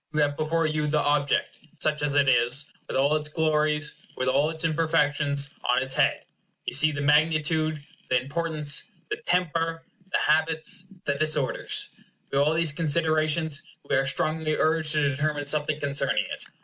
You have before you the object, such as it is, with all its glories, with all its imperfections on its head. You see the magnitude, the importance, the temper, the habits, the disorders. By all these considerations we are strongly urged to determine something concerning it.